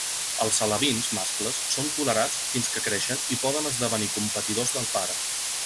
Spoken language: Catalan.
Els alevins mascles són tolerats fins que creixen i poden esdevenir competidors del pare.